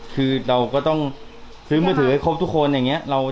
คือเราก็ต้องซื้อมือถือให้ครบทุกคนอย่างนี้